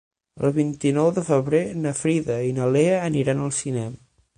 El vint-i-nou de febrer na Frida i na Lea aniran al cinema.